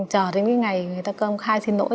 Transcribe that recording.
chờ đến cái ngày người ta công khai xin lỗi